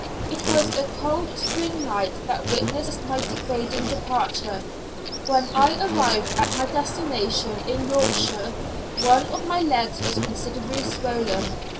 It was a cold spring night that witnessed my degrading departure; when I arrived at my destination in Yorkshire one of my legs was considerably swollen.